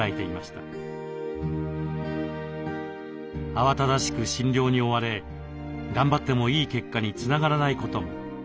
慌ただしく診療に追われ頑張ってもいい結果につながらないことも。